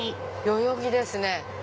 代々木ですね